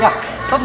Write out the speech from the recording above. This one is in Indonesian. yang tadi itu